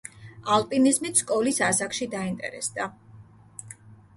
ალპინიზმით სკოლის ასაკში დაინტერესდა.